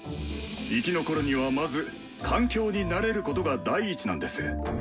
生き残るにはまず環境に慣れることが第一なんです。